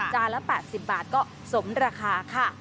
ละ๘๐บาทก็สมราคาค่ะ